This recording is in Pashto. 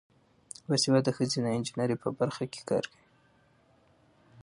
باسواده ښځې د انجینرۍ په برخه کې کار کوي.